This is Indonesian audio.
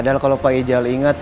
padahal kalau pak ijal ingat